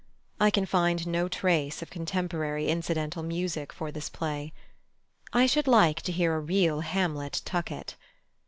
I can find no trace of contemporary incidental music for this play. I should like to hear a real Hamlet tucket.